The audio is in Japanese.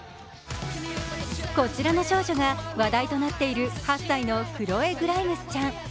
こちらの少女が話題となっている８歳のクロエ・グライムスちゃん。